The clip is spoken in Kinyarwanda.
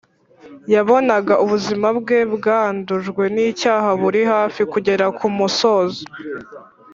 yabonaga ubuzima bwe bwandujwe n’icyaha buri hafi kugera ku musozo